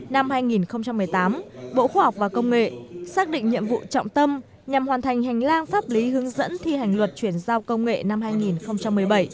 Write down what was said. năm hai nghìn một mươi tám bộ khoa học và công nghệ xác định nhiệm vụ trọng tâm nhằm hoàn thành hành lang pháp lý hướng dẫn thi hành luật chuyển giao công nghệ năm hai nghìn một mươi bảy